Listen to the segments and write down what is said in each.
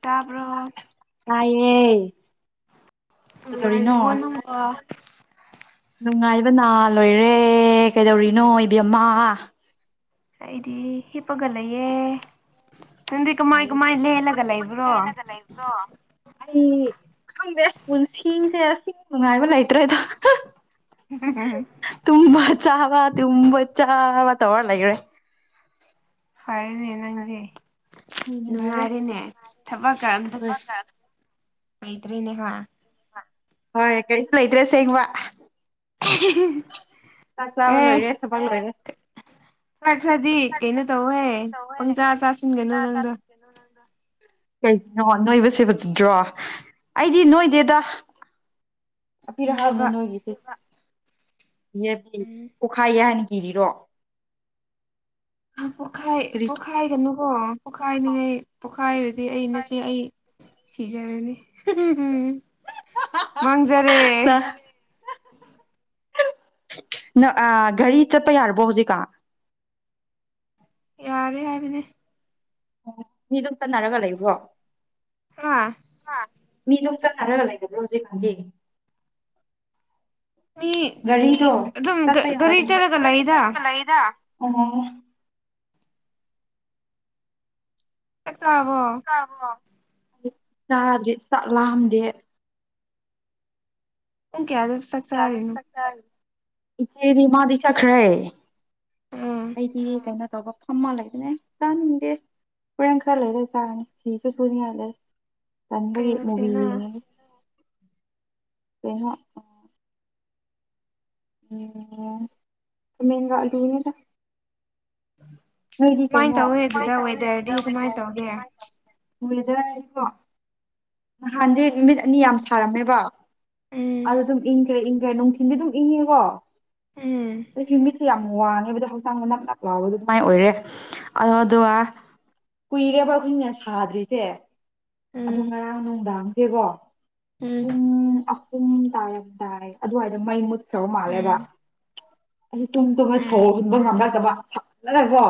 ꯇꯥꯕ꯭ꯔꯣ ꯇꯑꯌꯦꯦ ꯀꯗꯧꯔꯤꯅꯣ ꯅꯨꯡꯉꯥꯏꯔꯤꯕꯣ ꯅꯪꯕꯣ ꯅꯨꯡꯉꯥꯏꯕ ꯅꯥ ꯂꯣꯏꯔꯦ ꯀꯩꯗꯧꯔꯤꯅꯣ ꯏꯕꯦꯝꯃ ꯑꯩꯗꯤ ꯍꯤꯄꯒ ꯂꯩꯌꯦ ꯅꯪꯗꯤ ꯀꯃꯥꯏ ꯂꯩ ꯀꯃꯥꯏ ꯂꯦꯜꯂꯒ ꯂꯩꯕ꯭ꯔꯣ ꯍꯦꯜꯂꯒ ꯂꯩꯕ꯭ꯔꯣ ꯑꯩ ꯈꯪꯗꯦ ꯄꯨꯟꯁꯤꯁꯦ ꯑꯁꯤ ꯅꯨꯡꯉꯥꯏꯕ ꯂꯩꯇ꯭ꯔꯦꯗꯣ ꯇꯨꯃ ꯆꯥꯕ ꯇꯨꯝ ꯆ ꯇ ꯑꯣꯔꯂꯒ꯭ꯔꯦ ꯍꯥꯏꯔꯦꯅꯦ ꯅꯪꯗꯤꯦ ꯍꯣꯏ ꯅꯨꯡꯉꯥꯏꯔꯦ ꯅꯨꯡꯉꯥꯏꯔꯤꯅꯦ ꯊꯕ ꯀꯝꯗ ꯍꯣꯏ ꯑꯩꯩꯗ꯭ꯔꯤꯅꯦ ꯍꯥ ꯍꯣꯏ ꯀꯩꯁꯂꯗ꯭ꯔꯦ ꯁꯤꯦꯡꯒ ꯋꯥ [unintelligible] ꯆꯥꯛ ꯆꯥꯕ ꯑꯦ ꯂꯣꯏꯔꯦ ꯊꯄ ꯂꯣꯏꯔꯦ ꯈ꯭ꯔꯗꯤ ꯀꯩꯅꯣ ꯇꯧꯍꯦ ꯄꯪꯆꯥꯥ ꯆꯥꯁꯤꯟꯒꯅꯨ ꯅꯪꯗꯣ ꯀꯩꯒꯤꯅꯣ ꯅꯣꯏꯕꯁꯦ ꯐꯠꯇꯗ꯭ꯔꯣ ꯑꯩꯗꯤ ꯅꯣꯏꯗꯦꯗ ꯑꯄꯤꯔ ꯍꯥꯎꯅꯦ ꯀꯤꯌꯦꯕ ꯅꯣꯏꯒꯤꯁꯦ ꯌꯦ ꯐ ꯎꯝ ꯑꯣꯈꯥꯏ ꯍꯥꯏꯅꯤ ꯀꯤꯔꯤꯔꯣ ꯑ ꯄꯣꯈꯥꯏ ꯀꯔꯤ ꯄꯣꯈꯥꯏ ꯒꯥꯅꯨ ꯑꯣ ꯄꯣꯈꯥꯏꯅꯤꯡꯉꯩ ꯄꯣꯈꯥꯏ ꯗꯤ ꯑꯩꯩꯅꯆꯦ ꯑꯩ ꯁꯤꯖꯟꯅꯥꯅꯤ ꯃꯥꯡꯖꯔꯦ ꯅ ꯅ ꯘꯥꯔꯤ ꯆꯠꯄ ꯌꯥꯔꯕꯣ ꯍꯧꯖꯤꯛꯀꯥ ꯌꯥꯔꯦ ꯍꯥꯏꯕꯅꯦ ꯃꯤꯗꯨꯝ ꯆꯟꯅꯔꯒ ꯂꯩꯕ꯭ꯔꯣ ꯍꯥ ꯍꯥ ꯃꯤ ꯅꯣꯛꯊꯛ ꯊꯥꯗꯔꯥ ꯂꯩꯒꯗꯧꯗꯤ ꯃꯥꯟꯗꯦ ꯃꯤ ꯑꯗꯨꯝ ꯆꯠꯄ ꯌꯥꯔꯒ ꯂꯩꯗ ꯑꯣ ꯆꯥꯛ ꯆꯥꯔꯕꯣ ꯇꯕꯔꯣ ꯆꯥꯗꯔꯤ ꯆꯥꯛ ꯂꯥꯝꯗꯦ ꯄꯨꯡ ꯀꯌꯥꯗ ꯆꯥꯛ ꯆꯔꯤꯅꯣ ꯏꯆꯦꯗꯤ ꯃꯗꯤ ꯆꯠꯈ꯭ꯔꯦ ꯎꯝ ꯑꯩꯗꯤ ꯀꯩꯅꯣ ꯇꯧꯕ ꯐꯝꯃ ꯂꯩꯗꯨꯅꯦ ꯆꯥꯅꯤꯡꯗꯦ ꯍꯣꯔꯦꯟ ꯈꯔ ꯂꯩꯔꯦ ꯆꯥꯔꯅꯤ ꯐꯤꯁꯨ ꯁꯨꯅꯤꯉꯥꯏ ꯂꯩ ꯀꯩ ꯇꯟꯕꯒꯤ ꯃꯨꯕꯤ ꯃꯊꯦꯜꯅꯣ ꯌꯦꯡꯉꯒꯥ ꯀꯩꯅꯣ ꯈꯥꯃꯦꯟꯒ ꯑꯥꯂꯨ ꯅꯤꯗꯥ ꯅꯣꯏꯗꯤ ꯀꯃꯥꯏꯅ ꯀꯩꯅꯣ ꯇꯧꯋꯦ ꯑꯗꯨꯗ ꯀꯃꯥꯏꯅ ꯋꯦꯗꯔꯗꯤ ꯀꯃꯥꯏꯅ ꯇꯧꯒꯦ ꯇꯧꯋꯦ ꯋꯦꯗꯔ ꯀꯣ ꯅꯍꯥꯟꯗꯤ ꯅꯨꯃꯤꯠ ꯑꯅꯤ ꯌꯥꯝ ꯐꯥꯔꯝꯃꯦꯕ ꯎꯝ ꯑꯗꯨꯗꯨꯝ ꯏꯪꯈ꯭ꯔꯦ ꯏꯪ ꯀꯩ ꯅꯨꯡꯊꯤꯟꯗꯤ ꯑꯗꯨꯝ ꯏꯪꯉꯦꯀꯣ ꯎꯝ ꯑꯩꯗꯤ ꯃꯤꯠ ꯌꯥꯝ ꯋꯥꯡꯉꯤꯕꯗꯣ ꯍꯛꯆꯥꯡꯗ ꯅꯞ ꯅꯞ ꯂꯥꯎꯕꯗꯨ ꯑꯗꯨꯃꯥꯏꯅ ꯑꯣꯏꯔꯦ ꯑꯗꯣ ꯗꯨꯒ ꯀꯨꯏꯔꯦꯕ ꯑꯩꯈꯣꯏꯅ ꯁꯥꯗ꯭ꯔꯤꯁꯦ ꯑꯗꯨ ꯎꯝ ꯉꯔꯥꯡ ꯉꯔꯥꯡ ꯅꯨꯡꯗꯥꯡꯗꯤꯀꯣ ꯎꯝ ꯑꯗꯨꯨꯝ ꯇꯥꯏ ꯌꯥꯝ ꯇꯥꯏ ꯑꯗꯨꯋꯥꯏꯗ ꯃꯩ ꯃꯨꯠ ꯁꯧꯕ ꯃꯥꯜꯂꯦꯕ ꯎꯝ ꯎꯝ ꯂꯕꯣ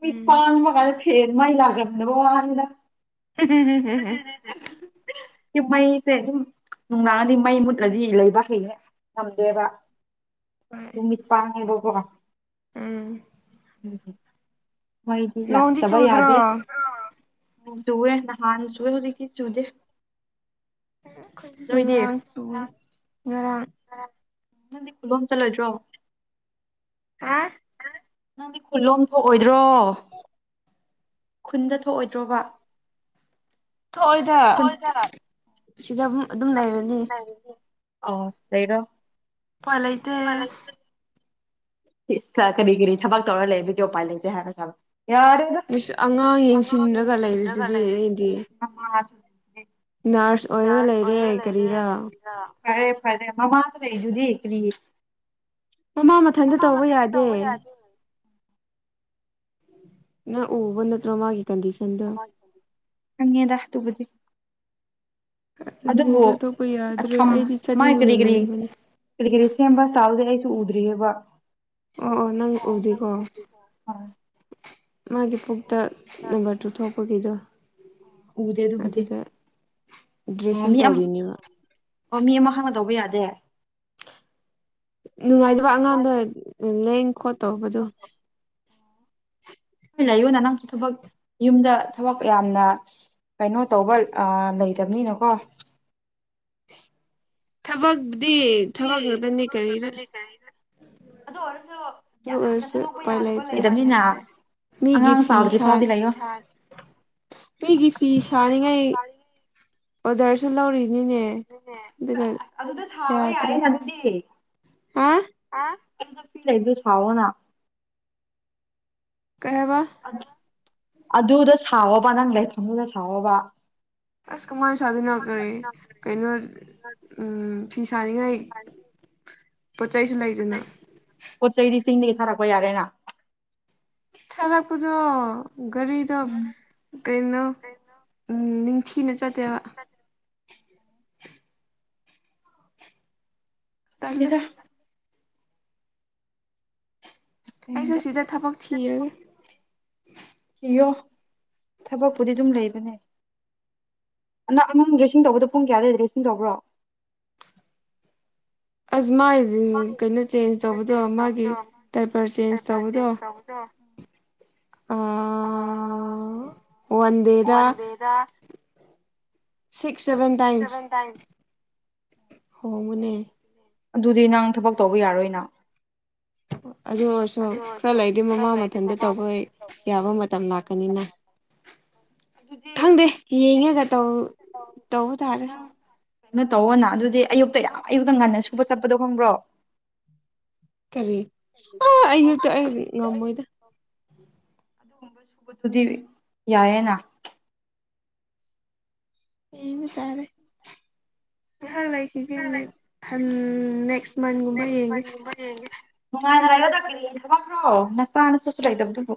ꯃꯤ ꯎꯝ ꯄꯥꯡ ꯉꯥꯏ ꯐꯦꯔ ꯃꯥꯏꯂꯒꯅꯕꯅꯤꯗ ꯎ ꯃꯥꯏ ꯁꯦ ꯑꯗꯨꯝ ꯅꯨꯡꯗꯥꯡꯉꯗꯤ ꯃꯩ ꯃꯨꯠꯂꯗꯤ ꯂꯩꯕ ꯍꯩꯩꯅ ꯉꯝꯗꯦꯕ ꯍꯣꯏ ꯇꯨꯃꯤꯠ ꯇꯥꯡꯏꯕꯣ ꯍ ꯎꯝ ꯎꯝ ꯍꯝ ꯃꯩꯗꯤ ꯅꯣꯡꯗꯤ ꯂꯥꯛꯇꯕ ꯆꯨꯗ꯭ꯔꯣ ꯌꯥꯗꯦ ꯁꯨꯋꯦ ꯅꯍꯥꯟ ꯁꯨꯋꯦ ꯍꯧꯖꯤ ꯁꯨꯗꯦ ꯁꯨ ꯉꯔꯥꯡ ꯁꯜ ꯉꯔꯥꯡ ꯅꯪꯗꯤ ꯈꯨꯂꯣꯝ ꯆꯜꯂꯗ꯭ꯔꯣ ꯍꯥ ꯗꯤ ꯈꯨꯂꯣ ꯊ ꯑꯣꯏ ꯭ꯔꯣ ꯈꯨꯟꯗ ꯊꯣꯛꯑꯣꯏꯗ꯭ꯔꯣꯕ ꯊꯣꯏꯗ ꯈꯨꯟ ꯁꯤꯗ ꯑꯗꯨꯝ ꯂꯩꯔꯅꯤ ꯑ ꯂꯩꯩꯔꯣ ꯎꯄꯥꯏ ꯂꯩꯇꯦ ꯀꯔꯤ ꯀꯔꯤ ꯊꯕꯛ ꯇꯧꯔ ꯂꯩꯕꯒꯤ ꯎꯄꯥꯏ ꯂꯩꯇꯦ ꯍꯥꯏꯕ ꯌꯥꯔꯦꯗ ꯑꯉꯥꯡ ꯑꯗꯨ ꯑꯉꯥꯡ ꯌꯦꯡꯁꯤꯟꯔꯒ ꯌꯦꯟꯁꯤꯜꯂꯒ ꯂꯩꯔꯤꯗꯨꯗꯤ ꯑꯩꯗꯤ ꯂꯩꯔꯦꯅꯦ ꯃꯃꯁꯦ ꯅꯔꯁ ꯑꯣꯏꯔꯣ ꯂꯩꯔꯦ ꯀꯔꯤꯔꯥ ꯐꯔꯦ ꯐꯔꯦ ꯃꯃꯥꯡꯗ ꯂꯩꯗꯨꯗꯤ ꯀꯔꯤ ꯅꯥꯃꯃꯠ ꯏꯊꯟꯇ ꯇꯧꯕ ꯌꯥꯗꯦ ꯅ ꯎꯕꯥ ꯅꯠꯇꯔꯣ ꯃꯥ ꯑꯉꯦꯗꯥ ꯇꯨꯕꯨ ꯁꯟꯗꯦꯁꯨ ꯑꯇꯣꯞꯄ ꯌꯥꯗ꯭ꯔꯦ ꯑꯗꯨꯕꯨꯝ ꯑꯩꯗꯤ ꯃꯥꯥꯏ ꯀꯔꯤ ꯆꯠꯅꯤꯡꯕꯅ ꯀꯔꯤ ꯂꯣꯏꯔꯕꯅꯦ ꯀꯔꯤ ꯀꯔꯤ ꯁꯦꯝꯕ ꯆꯥꯗꯦ ꯑꯩ ꯆ ꯎꯗ꯭ꯔꯤꯑꯕ ꯑꯣ ꯑꯣ ꯅꯪ ꯎꯗꯤꯀꯣ ꯃꯥꯒꯤ ꯄꯨꯛꯇ ꯅꯝꯕꯔ ꯇꯨ ꯊꯣꯛ ꯄꯒꯤꯗꯣ ꯎꯗꯦ ꯑꯗꯨꯕꯨꯗꯤ ꯑ ꯗ꯭ꯔꯦꯁꯤꯡ ꯃꯤ ꯑꯃ ꯇꯧꯔꯤꯅꯦꯕ ꯑꯣ ꯃꯤ ꯑꯃ ꯍꯛꯅ ꯇꯧꯕꯥ ꯌꯥꯗꯦ ꯅꯨꯡꯉꯥꯏꯇꯕ ꯑꯉꯥꯡꯗꯣ ꯂꯦꯡ ꯈꯣꯠ ꯇꯧꯕꯗꯣ ꯑꯩ ꯂꯩꯌꯨ ꯅ ꯅꯪꯁꯨ ꯊꯕꯛ ꯌꯨꯝꯗ ꯊꯕꯛ ꯌꯥꯝꯅ ꯀꯩꯅꯣ ꯇꯧꯕ ꯂꯩꯇꯕꯅꯤꯅꯀꯣ ꯊꯕꯛ ꯊ ꯈꯛꯇꯅꯤ ꯀꯔꯤꯔ ꯑꯗꯨ ꯑꯣꯏꯔꯁꯨ ꯑꯗꯨ ꯌꯥꯝꯅ ꯑꯣꯏꯔꯁꯨ ꯊꯥꯗꯣꯛꯄ ꯎꯄꯥꯏ ꯌꯥꯗꯕ ꯂꯩꯇ꯭ꯔꯦ ꯂꯩꯗꯕꯅꯤꯅ ꯃꯤꯒꯤ ꯑꯉꯥꯡ ꯐꯤ ꯆꯥꯎꯗ꯭ꯔꯤ ꯁꯥ ꯐꯥꯎꯗꯤ ꯂꯩꯉꯣ ꯁꯥ ꯃꯤꯒꯤ ꯐꯤ ꯁꯥꯅꯤꯡꯉꯥꯏ ꯑꯣꯗꯔꯁꯨ ꯂꯧꯔꯤꯅꯤꯅꯦ ꯑꯗꯨꯒ ꯑꯗꯨꯗ ꯁꯥꯕ ꯌꯥꯗ꯭ꯔꯦ ꯌꯥꯏꯌꯦ ꯅ ꯑꯗꯨꯗꯤ ꯍꯥ ꯑ ꯑꯩ ꯐꯤ ꯂꯩ ꯑꯗꯨ ꯐꯑꯣꯣꯅ ꯀꯍꯋꯥ ꯑꯗꯨꯗ ꯁꯥꯎꯕ ꯅꯪ ꯂꯥꯏꯐꯝꯗꯨꯗ ꯁꯥꯎꯑꯣꯕ ꯑꯁ ꯀꯨꯃꯔ ꯁꯥꯗꯨꯅꯈꯦ ꯀꯩꯅꯣ ꯎꯝ ꯆꯅꯤꯉꯏ ꯄꯣꯠ ꯆꯩꯁꯨ ꯂꯩꯗꯅ ꯄꯣꯠ ꯆꯩ ꯂꯤꯁꯤꯡꯗꯒꯤ ꯊꯥꯔꯛꯄ ꯌꯥꯔꯦꯅ ꯈꯂꯥꯛꯄꯗꯣ ꯒꯥꯔꯤꯗ ꯎꯝ ꯀꯩꯅꯣ ꯊꯅ ꯆ ꯇꯦꯕ ꯇꯜꯂꯦ ꯁꯤꯗ ꯑꯩꯁꯨ ꯑꯁꯦꯡꯕ ꯁꯤꯗ ꯊꯕꯛ ꯊꯤꯔꯒꯦ ꯏꯌꯣ ꯊꯕꯛꯄꯨꯗꯤ ꯑꯗꯨꯝ ꯂꯩꯕꯅꯦ ꯅꯪ ꯑꯃꯥꯡ ꯗ꯭ꯔꯦꯁꯤꯡ ꯇꯧꯕꯗꯣ ꯄꯨꯡ ꯀꯌꯥꯗꯋꯥ ꯗ꯭ꯔꯦꯁꯤꯡ ꯇꯧꯕ꯭ꯔꯣ ꯑꯁ ꯃꯥꯒꯤ ꯀꯩꯅꯣ ꯆꯦꯟꯖ ꯇꯧꯕꯗꯣ ꯃꯥꯒꯤ ꯇꯥꯏꯄꯔ ꯆꯦꯟꯖ ꯇꯧꯕꯗꯣ ꯑ ꯋꯥꯟ ꯗꯦꯗ ꯋꯥꯗꯦꯗ ꯁꯤꯛꯁ ꯁꯦꯚꯦꯟ ꯇꯥꯏꯝꯁ ꯍ ꯄꯨꯅꯦ ꯑꯗꯨꯗꯤ ꯅꯪ ꯊꯕꯛ ꯇꯧꯕ ꯌꯥꯔꯣꯏꯅ ꯑꯣ ꯑꯗꯨ ꯑꯣꯏꯔꯁꯨ ꯈꯔ ꯂꯩꯗꯤ ꯃꯃꯥ ꯃꯊꯟꯇ ꯇꯧꯕ ꯌꯥꯕ ꯃꯇꯝ ꯂꯥꯛꯀꯅꯤꯅ ꯑꯗꯨꯗꯤ ꯈꯪꯗꯦ ꯌꯦꯡꯑꯒ ꯇꯧ ꯇꯧꯕ ꯇꯥꯔꯦ꯫ ꯀꯩꯅꯣ ꯇꯧꯑꯣꯅꯥ ꯑꯗꯨꯗꯤ ꯑꯌꯨꯛꯇ ꯌꯥꯝ ꯑꯌꯨꯛꯇ ꯉꯟꯅ ꯁꯨꯕ ꯆꯠꯄꯗꯣ ꯈꯪꯕ꯭ꯔꯣ꯫ ꯀꯔꯤ ꯑ ꯑꯛꯇ ꯑꯩ ꯉꯝꯃꯣꯏꯗ ꯑꯗꯨꯒꯨꯝꯕ ꯁꯨꯕꯗꯨꯗꯤ ꯌꯥꯏꯌꯦꯅ ꯎꯝ ꯇꯥꯔꯦ ꯉꯍꯥꯛ ꯂꯩ ꯁꯤꯒꯤ ꯎꯝ ꯅꯦꯛꯁ ꯃꯟꯒꯨꯝꯕ ꯅꯦꯛꯁ ꯌꯦꯡꯒꯦ ꯃꯟ ꯌꯦꯒꯦ ꯅꯨꯡꯉꯥꯏꯅꯔꯒꯗ ꯊꯕꯕ꯭ꯔꯣ ꯅꯆꯥ ꯅꯁꯨꯁꯨ ꯂꯩꯗꯕꯗꯕꯨ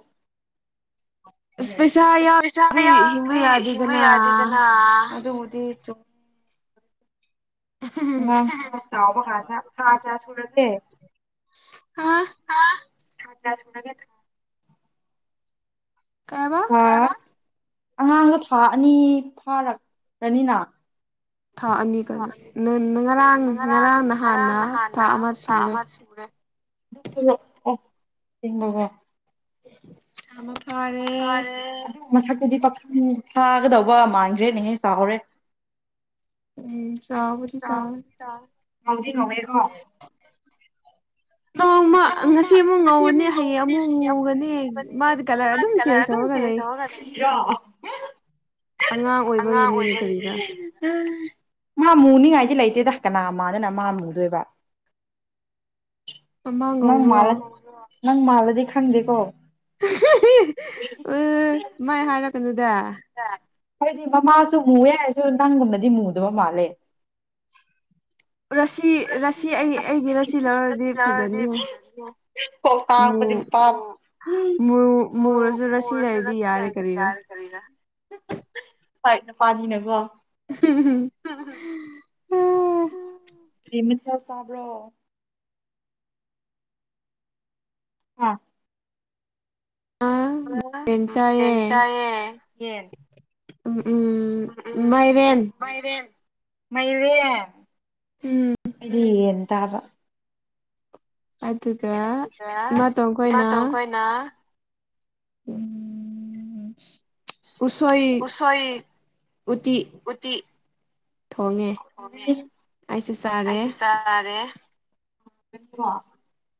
ꯑꯁ ꯄꯩꯁꯥ ꯁ ꯌꯥꯎꯗꯤ ꯌꯥ ꯍꯤꯡꯕ ꯍ ꯌꯥꯗꯦꯗꯅ ꯌꯥꯗꯗꯅ ꯊ ꯆ [unintelligible] ꯑꯗ ꯈꯥ ꯆ ꯍꯥ [unintelligible] ꯊꯥꯟꯅꯥ ꯁꯨꯅꯒꯦ ꯊꯥ [unintelligible] ꯀꯩꯕ ꯍꯥꯥ ꯑꯉꯥꯡꯗꯣ ꯊꯥ ꯑꯅꯤ ꯐꯥꯔꯛꯀꯅꯤꯅꯥ꯫ ꯊꯥ ꯊꯥ ꯀꯩꯅꯣ ꯑꯅꯤ ꯉꯔꯥꯡ ꯉꯔꯥꯡ ꯉꯔꯥꯡ ꯅꯍꯥꯟꯅ ꯊꯥ ꯅꯍꯥꯟꯅ ꯑꯃ ꯊꯥ ꯁꯨꯔꯦ ꯑꯃ ꯁꯨꯔꯦ ꯁꯦꯡꯕꯀꫭ꯫ ꯐꯥꯔꯦ ꯃꯊ ꯇꯨꯗꯤ ꯄ ꯊꯥꯒꯗꯧꯕ ꯃꯥꯟꯈ꯭ꯔꯦꯅꯦꯍꯦ ꯆꯥꯍꯧꯔꯦ ꯎꯝ ꯆꯥꯎꯥꯎꯕꯗꯤ ꯁꯥꯥꯎ ꯍ [unintelligible] ꯉꯋꯦꯀꯣ ꯅꯃ ꯉꯁꯤ ꯑꯃꯨꯛ ꯉꯧꯒꯅꯤ ꯍꯌꯦꯡ ꯑꯃꯨꯛ ꯉꯨꯒꯅꯤ ꯃꯥꯗꯤ ꯀꯂꯔ ꯑꯗꯨꯝ ꯆꯦꯟꯖ ꯇꯧꯔꯒ ꯂꯩ ꯣ [unintelligible] ꯑꯉꯥꯡ ꯑꯣꯏꯕꯒꯤꯅꯤꯅꯦ ꯀꯔꯤꯗ ꯃꯥ ꯃꯨꯅꯤꯉꯥꯏꯗꯤ ꯂꯩꯇꯦꯗ ꯀꯅꯥ ꯃꯥꯗꯅ ꯃꯥ ꯃꯨꯗꯣꯏꯕ꯫ ꯃꯃꯥꯡ ꯅꯪ ꯉꯧꯕ꯭ꯔꯣ ꯃꯥꯜꯂ ꯅꯪ ꯃꯥꯜꯂꯗꯤ ꯈꯪꯗꯦꯀꯣ ꯎ ꯃꯥꯏ ꯍꯥꯏꯔꯛꯄ ꯗꯥ ꯍꯥꯏꯗꯤ ꯃꯃꯥꯁꯨ ꯃꯨꯑꯦ ꯍꯥꯏꯔꯁꯨ ꯅꯪꯒꯨꯝꯅꯗꯤ ꯃꯨꯗꯕ ꯃꯥꯜꯂꯦ꯫ ꯔꯁꯤ ꯔꯁꯤ ꯑꯩ ꯑꯩꯒꯤ ꯔꯁꯤ ꯂꯧꯔꯗꯤ ꯐꯖꯅꯤꯍꯦ ꯃꯨ ꯃꯨ ꯃꯨꯔꯁꯨ ꯔꯁꯤ ꯂꯩꯔꯗꯤ ꯌꯥꯔꯦ ꯀꯔꯤꯔꯥ [inaudible] ꯍꯣꯏ ꯅꯨꯄꯥꯅꯤꯅꯀꯣ [unintelligible] [inaudible] ꯀꯔꯤ ꯃꯊꯦꯜ ꯆꯕ꯭ꯔꯣ ꯑꯥ ꯑꯥꯥ ꯃꯥꯏꯔꯦꯟ ꯆꯥꯏꯌꯦ ꯌꯦꯟ ꯆꯥꯏꯌꯦ ꯌꯦꯟ ꯑꯣ ꯎꯝ ꯃꯥꯏꯔꯦꯟ ꯃꯥꯏꯔꯦꯟ ꯑꯩꯗꯤ ꯍꯟ ꯇꯥꯕ ꯑꯗꯨꯒ ꯏꯃꯥꯇꯣꯟꯈꯣꯏꯅ ꯎꯝ ꯎꯁꯣꯏ ꯎꯇꯤ ꯊꯣꯡꯉꯦ ꯑꯩꯁꯨ ꯆꯥꯔꯦ [inaudible]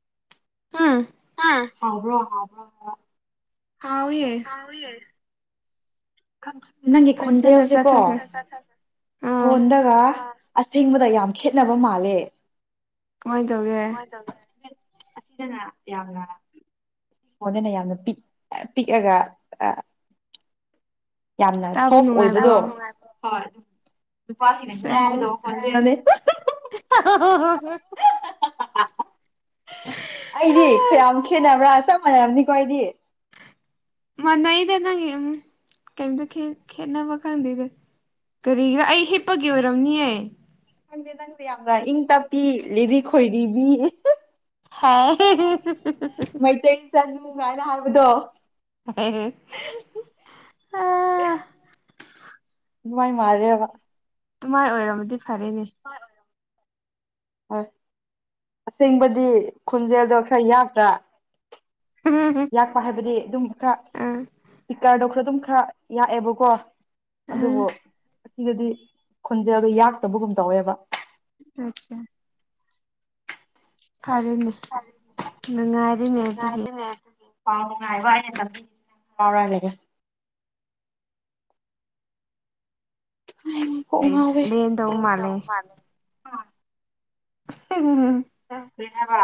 ꯍꯥ ꯍꯥꯎꯕ꯭ꯔꯣ ꯍꯥꯎꯕ꯭ꯔꯣ ꯍꯥꯎꯋꯦ ꯍꯥꯎꯋꯦ ꯈꯪ ꯅꯪꯒꯤ ꯐꯖꯅ ꯈꯣꯟꯖꯦꯜ ꯁꯦꯀꯣ ꯆꯥꯊꯈ꯭ꯔꯦ ꯑꯥ ꯐꯣꯟꯗꯒ ꯑꯁꯦꯡꯕꯗ ꯌꯥꯝ ꯈꯦꯠꯅꯕ ꯃꯥꯜꯂꯦ ꯀꯃꯥꯏꯅ ꯇꯧꯒꯦ ꯅꯨꯉꯥꯏꯇꯕꯅꯦ ꯑꯁꯤꯗꯅ ꯌꯥꯝꯅ ꯐꯣꯟꯗꯅ ꯌꯥꯝꯅ ꯄꯤꯛ ꯄꯤꯛꯑꯒ ꯑ ꯌꯥꯝꯅ ꯆꯥꯕ ꯁꯣꯐ ꯑꯣꯏꯕꯗꯣ ꯅꯨꯡꯉꯥꯏꯕ꯭ꯔꯣ ꯍꯣꯏ ꯅꯨꯄꯥꯁꯤꯡꯅ ꯁꯦꯁ ꯉꯥꯎꯒꯗꯕ ꯈꯣꯟꯖꯦꯜꯅꯦ [unintelligible] ꯑꯩꯗꯤ ꯌꯥꯝ ꯈꯦꯠꯅꯕ꯭ꯔꯥ ꯆꯞ ꯃꯥꯟꯅꯔꯝꯅꯤꯀꯣ ꯑꯩꯗꯤ ꯃꯥꯟꯅꯩꯗ ꯅꯪ ꯀꯩꯇ ꯈꯦꯠꯅꯕ ꯈꯪꯗꯦꯗ ꯀꯔꯤꯒꯤꯔꯥ ꯑꯩ ꯍꯤꯞꯄꯒꯤ ꯑꯣꯏꯔꯝꯅꯤꯌꯦꯦ ꯈꯪꯗꯦ ꯅꯪꯗꯦ ꯌꯥꯝꯅ ꯏꯪ ꯇꯞꯄꯤ ꯂꯤꯔꯤ ꯈꯣꯏꯔꯤꯕꯤ ꯍ [inaudible] [unintelligible] ꯆꯥꯅꯨ ꯀꯥꯏꯅ ꯍꯥꯏꯕꯗꯣ ꯑꯗꯨꯃꯥꯏ ꯑꯗꯨꯃꯥꯏ ꯃꯥꯜꯂꯦꯕ ꯑꯗꯨꯃꯥꯏ ꯑꯣꯏꯔꯝꯃꯗꯤ ꯐꯔꯦꯅꯦ ꯍꯣꯏ ꯑꯁꯦꯡꯕꯗꯤ ꯈꯣꯟꯖꯦꯜꯗꯣ ꯈꯔ ꯌꯥꯄ꯭ꯔꯥ ꯎꯝ ꯌꯥꯛꯄ ꯍꯥꯏꯕꯗꯤ ꯑꯗꯨꯝ ꯏꯀꯥꯔꯣꯛꯈꯔꯗꯨꯝ ꯈꯔ ꯌꯥꯛꯑꯦꯕꯀꯣ ꯑꯗꯨꯕꯨ ꯎꯝ ꯑꯁꯤꯒꯗꯤ ꯈꯨꯟꯁꯦ ꯑꯗꯨꯗꯣ ꯌꯥꯛꯇꯕꯒꯨꯝ ꯇꯧꯋꯦꯕ ꯑꯆꯥ ꯐꯔꯦꯅꯦ ꯅꯨꯡꯉꯥꯏꯔꯤꯅꯦ ꯑꯗꯨꯒꯤ ꯄꯥꯎ ꯅꯨꯡꯉꯥꯏꯕ ꯑꯩꯥꯉꯥꯎꯔꯂꯩꯔꯦ ꯀꯣꯛ ꯂꯦꯟ ꯉꯥꯎꯋꯦ ꯂꯦꯟ ꯇꯧꯕꯃꯥꯜꯂꯦ [inaudible] ꯀꯔꯤꯍꯥꯏꯕ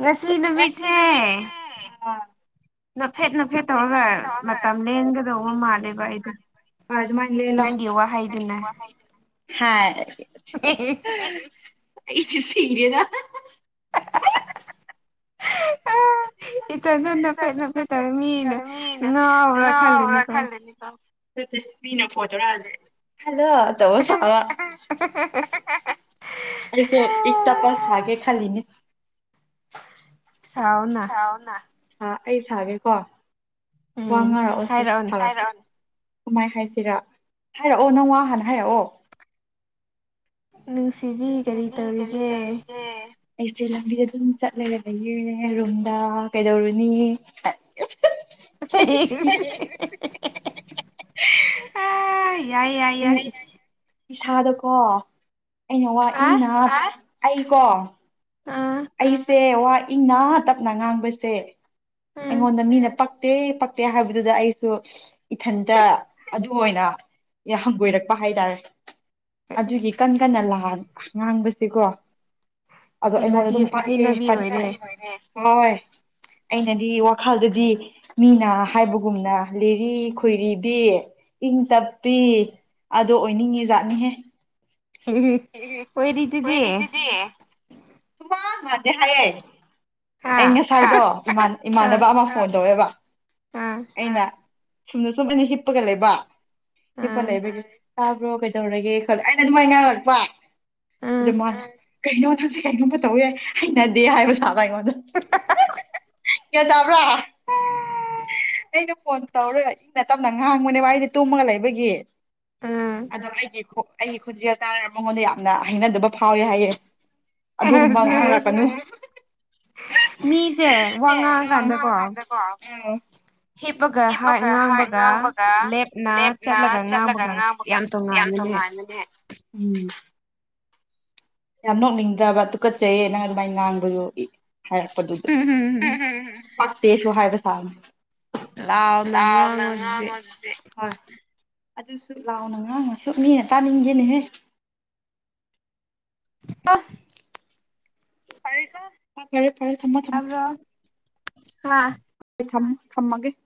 ꯉꯁꯤ ꯅꯨꯃꯤꯠꯁꯦ ꯑꯥ ꯅꯐꯦꯠ ꯅꯐꯦꯠ ꯇꯧꯔꯒ ꯃꯇꯝ ꯂꯦꯟꯒꯗꯧꯕ ꯃꯥꯜꯂꯦꯕ ꯑꯩꯗꯣ ꯍꯣꯏ ꯑꯗꯨꯃꯥꯏꯅ ꯅꯪꯒꯤ ꯋꯥꯍꯩꯗꯨꯅ ꯍꯥꯥꯏ [inaudible] ꯑꯩ ꯁꯤꯔꯦꯗ [inaudible] ꯏꯊꯟꯅ ꯅꯣꯛꯐꯦꯠ ꯅꯣꯛꯐꯦꯠ ꯃꯤꯅ ꯉꯥꯎꯕꯔꯥ ꯈꯜꯂꯅꯤꯀꯣ ꯑꯗꯨ ꯃꯤꯅ ꯐꯣꯟꯇꯧꯔꯛꯂꯦ ꯍꯜꯂꯣ ꯇꯧꯕ ꯁꯥꯕ ꯑꯩꯁꯨ ꯏꯪ ꯇꯞꯄ ꯁꯥꯒꯦ ꯈꯜꯂꯤꯅꯦ ꯁꯥꯎꯅ ꯁꯥꯎꯅ ꯍꯥ ꯑꯩ ꯁꯥꯒꯦꯀꯣ ꯋꯥ ꯎꯝ ꯉꯥꯡꯔꯛꯑꯣꯁꯦ ꯍꯥꯏꯔꯛꯑꯣꯅꯦ ꯀꯃꯥꯏ ꯍꯥꯏꯁꯤꯔꯥ ꯍꯥꯏꯔꯛꯑꯣ ꯅꯪꯋꯥꯍꯥꯟ ꯍꯥꯏꯔꯛꯑꯣ ꯅꯨꯡꯁꯤꯕꯤ ꯀꯔꯤ ꯇꯧꯔꯤꯒꯦ ꯑꯩꯁꯦ ꯂꯝꯕꯤꯗ ꯑꯗꯨꯝ ꯆꯠꯂꯒ ꯂꯩꯌꯦ ꯔꯨꯝꯗ ꯀꯩꯗꯧꯔꯨꯅꯤ ꯑ ꯌꯥꯏ ꯌꯥꯏ ꯌꯥꯏ ꯑꯩ ꯏꯁꯥꯗꯀꯣ ꯑꯩꯅ ꯋꯥ ꯑ ꯏꯪꯅ ꯑꯩꯀꯣ ꯑꯥ ꯑꯩꯁꯦ ꯋꯥ ꯏꯪꯅ ꯇꯞꯅ ꯉꯥꯡꯕꯁꯦ ꯎꯝ ꯑꯩꯉꯣꯟꯗ ꯃꯤꯅ ꯄꯛ ꯄꯛꯇꯦ ꯄꯛꯇꯦ ꯍꯥꯏꯕꯗꯨꯗ ꯑꯩꯁꯨ ꯏꯊꯟꯇ ꯑꯗꯨ ꯑꯣꯏꯅ ꯍꯪꯒꯣꯏꯔꯛꯄ ꯍꯥꯏꯇꯥꯔꯦ ꯑꯗꯨꯒꯤ ꯑꯁ ꯀꯟ ꯀꯟꯅ ꯂ [unintelligible] ꯉꯥꯡꯕꯁꯦꯀꯣ ꯑꯗꯣ ꯑꯩꯉꯣꯟꯗ ꯍꯩꯅꯕꯤ ꯑꯗꯨꯝ ꯍꯩꯅꯕꯤ ꯑꯣꯏꯔꯦ [unintelligible] ꯍꯣꯏ ꯑꯩꯅ ꯗꯤ ꯋꯥꯈꯜꯗꯗꯤ ꯃꯤꯅ ꯍꯥꯏꯕꯒꯨꯝꯅ ꯂꯤꯔꯤ ꯈꯣꯏꯔꯤꯗꯤ ꯏꯪ ꯇꯞꯄꯤ ꯑꯗꯣ ꯑꯣꯏꯅꯤꯡꯉꯤꯖꯥꯠꯅꯤꯍꯦ [unintelligible] ꯑꯣꯏꯔꯤꯗꯨꯗꯤ ꯑꯗꯤ ꯍꯥꯌꯦ [unintelligible] ꯍꯥ ꯑꯩ ꯉꯁꯥꯏꯗꯣ ꯏꯃꯥꯟ ꯑ ꯏꯃꯥꯟꯅꯕ ꯑꯃ ꯐꯣꯟ ꯇꯧꯋꯦꯕ ꯑꯥ ꯑꯩꯅ ꯁꯨꯝꯅ ꯁꯨꯝ ꯑꯅꯤ [unintelligible] ꯍꯤꯞꯄꯒ ꯂꯩꯕ ꯍꯤꯞꯄꯥ ꯑꯥ ꯂꯩꯕꯒꯤ [unintelligible] ꯇꯥꯕ꯭ꯔꯣ ꯀꯩꯗꯧꯔꯒꯦ ꯈ [unintelligible] ꯑꯩꯅ ꯑꯗꯨꯃꯥꯏꯅ ꯏ [unintelligible] ꯑꯗꯨ ꯑꯥ ꯃꯥ [unintelligible] ꯀꯩꯅꯣ ꯅꯪꯁꯦ ꯀꯩꯅꯣꯝꯃ ꯇꯧꯑꯦ ꯍꯩꯅꯗꯦ ꯍꯥꯏꯕ ꯁꯥꯕ ꯑꯩꯉꯣꯟꯗ ꯀꯌꯥ ꯇꯥꯕ꯭ꯔꯥ [unintelligible] ꯑꯩꯅ ꯐꯣꯟ ꯇꯧꯔ ꯏꯪꯅ ꯇꯞꯅ ꯉꯍꯥꯡꯕꯅꯦꯕ ꯑꯩꯅ ꯇꯨꯝꯃꯒ ꯂꯩꯕꯒꯤ ꯎꯝ ꯑꯗꯣ ꯑꯩꯒꯤ ꯑꯩꯒꯤ ꯈꯣꯟꯖꯦꯜ ꯇꯥ [unintelligible] ꯃꯉꯣꯟꯗ ꯌꯥꯝꯅ ꯍꯩꯅꯗꯕ ꯐꯥꯎꯋꯦ ꯍꯥꯏꯌꯦ ꯑꯗꯨꯒꯨꯝꯕ ꯉꯥꯡꯔꯛꯀꯅꯨ ꯃꯤꯁꯦ ꯋꯥ ꯉꯥꯡꯀꯥꯟꯗꯀꯣ ꯎꯝ ꯍꯤꯞꯄꯒ ꯍꯥꯏ ꯉꯥꯡꯕꯒ ꯂꯦꯞꯅ ꯆꯠꯂꯒ ꯉꯥꯡꯕꯒ ꯌꯥꯝ ꯇꯣꯡꯉꯥꯟꯕꯅꯦ ꯎ ꯌꯥꯝ ꯅꯣꯛꯅꯤꯡꯗ꯭ꯔꯕ ꯇꯨꯀꯠꯆꯩꯌꯦ ꯅꯪ ꯑꯗꯨꯃꯥꯏꯅ ꯉꯥꯡꯕꯗꯣ ꯏ [unintelligible] ꯍꯥꯏꯔꯛꯄꯗꯨꯗ ꯎ [unintelligible] ꯄꯛꯇꯦꯁꯨ ꯍꯥꯏꯕ ꯊ [unintelligible] ꯂꯥꯎꯅ ꯉꯥꯡꯉꯣ ꯑꯗꯨꯗꯤ ꯍꯣꯏ ꯑꯗꯨꯁꯨ ꯂꯥꯎꯅ ꯉꯥꯡꯉꯁꯨ ꯃꯤꯅ ꯇꯥꯅꯤꯡꯗꯅꯦꯍꯦ ꯀ [unintelligible] ꯍꯔꯦ ꯀꯣ ꯍ [unintelligible] [inaudible] ꯊꯃꯣ ꯊꯃꯣ [unintelligible] ꯇꯥꯕ꯭ꯔꯣ ꯍꯥ [unintelligible] ꯊꯃ ꯊꯃꯥꯒꯦ [unintelligible]